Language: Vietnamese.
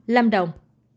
ba mươi năm lâm đồng